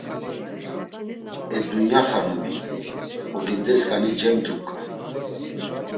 E Dunya xanumi, ogindesǩani cemdruǩa.